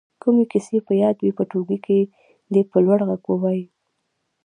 کومې کیسې په یاد وي په ټولګي کې دې په لوړ غږ ووايي.